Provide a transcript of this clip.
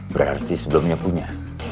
berarti sebelumnya punya